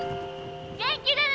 元気でね！